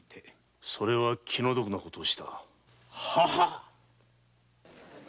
それは気の毒なことをした。